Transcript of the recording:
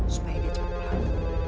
supaya dia cepat pulang